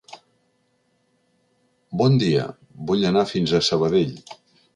Bon dia, vull anar fins a Sabadell.